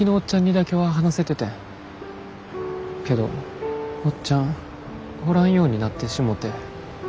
けどおっちゃんおらんようになってしもて。